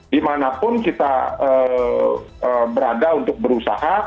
dimanapun kita berada untuk berusaha